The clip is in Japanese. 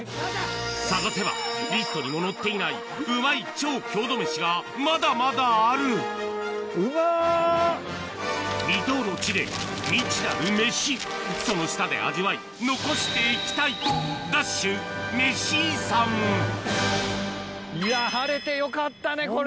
探せばリストにも載っていないうまい超郷土メシがまだまだある未踏の地で未知なるメシその舌で味わい残していきたいいや晴れてよかったねこれ！